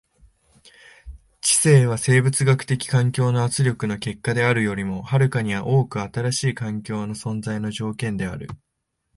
知性は生物学的環境の圧力の結果であるよりも遥かに多く新しい環境の存在の条件である。